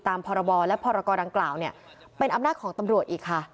ตามพและพดังกล่าวเป็นอำนาจของตำรวจอีกค่ะ